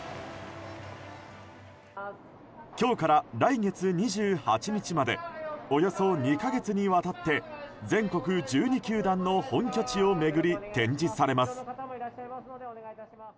今日から来月２８日までおよそ２か月にわたって全国１２球団の本拠地を巡り展示されます。